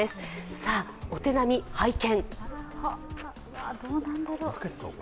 さあ、お手並み拝見。